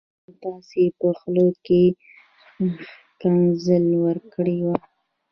خو تاسي په خوله کي ښکنځل ورکړي و